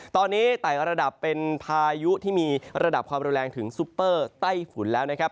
ตอนนี้ไต่ระดับเป็นพายุที่มีระดับความรุนแรงถึงซุปเปอร์ไต้ฝุ่นแล้วนะครับ